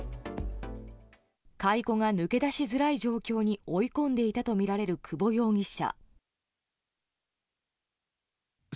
買い子が抜け出しづらい状況に追い込んでいたとみられる久保容疑者。